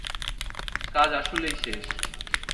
কাজ আসলেই শেষ।